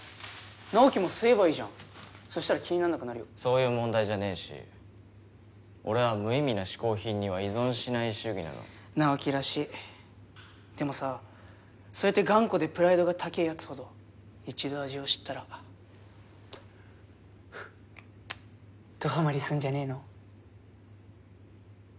直己も吸えばいいじゃんそしたら気になんなくなるよそういう問題じゃねぇし俺は無意味な嗜好品には依存しない主義なの直己らしいでもさそうやって頑固でプライドが高ぇヤツほど一度味を知ったらどハマりすんじゃねぇの？